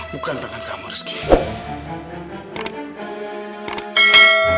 bukan tangan kamu rizky